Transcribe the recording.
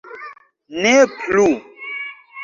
Ne plu.